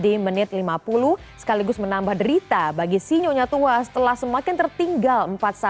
di menit lima puluh sekaligus menambah derita bagi sinyonya tua setelah semakin tertinggal empat satu